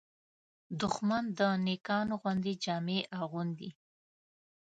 دښمن د نېکانو غوندې جامې اغوندي